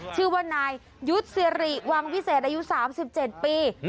ชื่อว่านายยุทธศิริวังวิเศษอายุ๓๗ปี